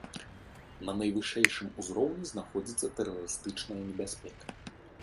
На найвышэйшым узроўні знаходзіцца тэрарыстычная небяспека.